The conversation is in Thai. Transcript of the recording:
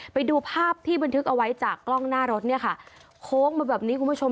ไปดูภาพที่บันทึกเอาไว้จากกล้องหน้ารถเนี่ยค่ะโค้งมาแบบนี้คุณผู้ชม